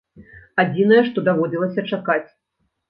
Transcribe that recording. Адзінае, што даводзілася чакаць.